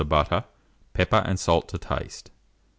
of butter, pepper and salt to taste.